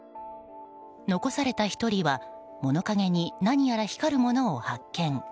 残された１人は物陰に何やら光るものを発見。